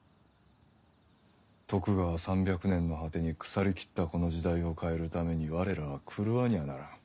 徳川３００年の果てに腐りきったこの時代を変えるために我らは狂わにゃあならん